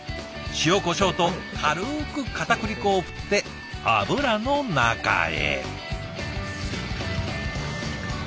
塩こしょうと軽くかたくり粉を振って油の中へ。